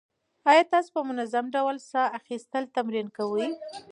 ایا تاسو په منظم ډول ساه اخیستل تمرین کوئ؟